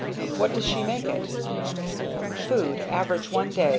What does she make it?" 'Food, average per day.............